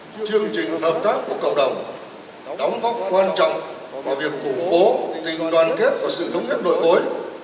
chương trình hợp tác của cộng đồng đóng góp quan trọng vào việc củng cố tình đoàn kết và sự thống nhất đối phối